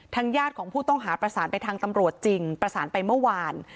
ญาติของผู้ต้องหาประสานไปทางตำรวจจริงประสานไปเมื่อวาน